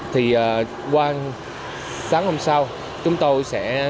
thì qua sáng hôm sau chúng tôi sẽ